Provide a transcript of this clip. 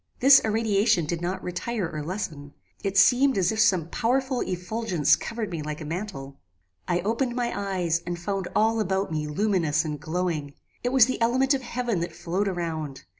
This irradiation did not retire or lessen. It seemed as if some powerful effulgence covered me like a mantle. "I opened my eyes and found all about me luminous and glowing. It was the element of heaven that flowed around.